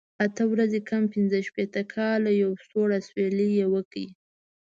اته ورځې کم پنځه شپېته کاله، یو سوړ اسویلی یې وکړ.